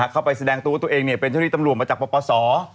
เข้าไปแสดงตัวตัวเองเป็นชะลีตำรวจมาจากปศ